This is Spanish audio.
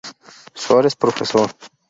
Suárez, Prof.